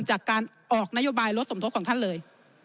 จากการออกนโยบายรถสมทบของท่านเลย